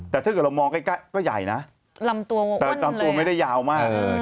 แต่ถ้าเกิดเรามองใกล้ก็ใหญ่นะลำตัวไม่ได้ยาวมาก